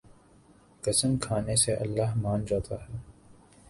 قسم کھانے سے اللہ مان جاتا ہے